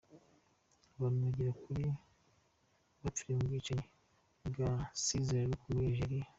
Abantu bagera kuri bapfiriye mu bwicanyi bwa Si Zerrouk muri Algeria.